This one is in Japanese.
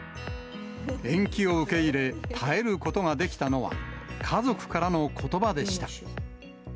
延期を受け入れ、耐えることができたのは、家族からのことばでした。